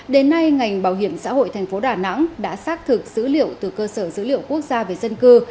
đến nay ngành bảo hiểm xã hội thành phố đà nẵng đã xác thực dữ liệu từ cơ sở dữ liệu quốc gia về dân cư